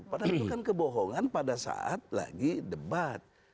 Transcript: padahal itu kan kebohongan pada saat lagi debat